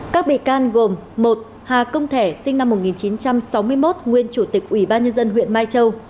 các bị can gồm một hà công thẻ sinh năm một nghìn chín trăm sáu mươi một nguyên chủ tịch ubnd huyện mai châu